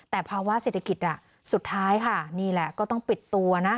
แต่ภาวะเศรษฐกิจสุดท้ายค่ะนี่แหละก็ต้องปิดตัวนะ